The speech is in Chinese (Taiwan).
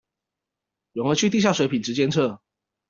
永和區地下水品質監測